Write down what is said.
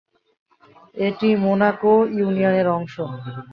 এটি মোনাকো ইউনিয়নের অংশ।